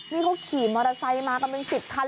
นี่เขาขี่มอเตอร์ไซค์มากันเป็น๑๐คัน